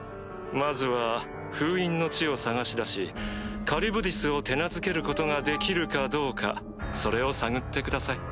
まずは封印の地を探し出しカリュブディスを手なずけることができるかどうかそれを探ってください。